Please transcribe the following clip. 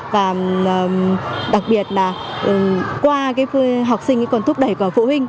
và đặc biệt là qua học sinh còn thúc đẩy cả phụ huynh